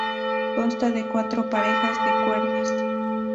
Consta de cuatro parejas de cuerdas.